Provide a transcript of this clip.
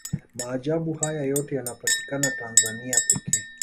maajabu haya yote yanapatikana tanzania pekee